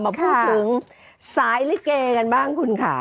มาพูดถึงสายลิเกกันบ้างคุณค่ะ